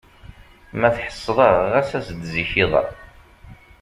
Ma tḥesseḍ-aɣ, ɣas as-d zik iḍ-a.